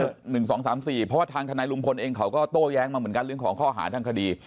เพราะว่าทางทนายลุงพลเองเขาก็โต้แย้งมาเหมือนกันเรื่องของข้อหาทางคดี